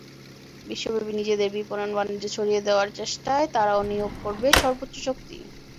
বিশ্বব্যাপী নিজেদের বিপণন বাণিজ্য ছড়িয়ে দেওয়ার চেষ্টায় তারাও নিয়োগ করবে সর্বোচ্চ শক্তি।